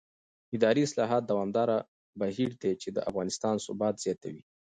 اداري اصلاح دوامداره بهیر دی چې د افغانستان ثبات زیاتوي